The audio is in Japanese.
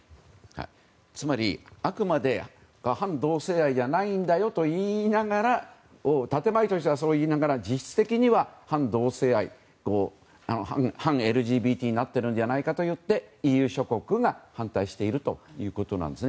つまり、あくまで反同性愛じゃないんだよと建前では言いながら反同性愛、反ＬＧＢＴになってるんじゃないかといってＥＵ諸国が反対しているということなんです。